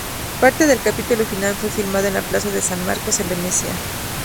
Parte del capítulo final fue filmado en la plaza de San Marcos, en Venecia.